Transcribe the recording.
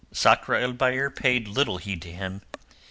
Sakr el Bahr paid little heed to him.